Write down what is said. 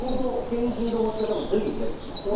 拳銃の持ち方も全部左利きなんですね。